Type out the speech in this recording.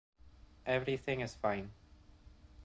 Everything Is Fine.